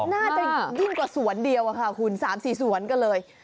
น่าจะยิ่งกว่าสวนเดียวค่ะคุณ๓๔สวนกันเลย